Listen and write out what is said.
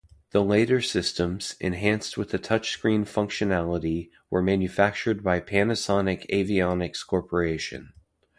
The later systems, enhanced with a touch-screen functionality, were manufactured by Panasonic Avionics Corporation.